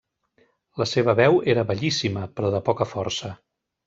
La seva veu era bellíssima, però de poca força.